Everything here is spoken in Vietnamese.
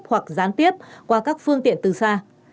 hoặc gián tiếp qua các phương tiện từ xa